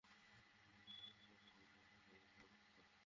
না, আমি আপনার মতো দেখতে।